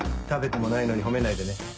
食べてもないのに褒めないでね。